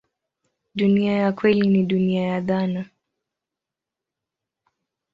Dunia ya kweli ni dunia ya dhana.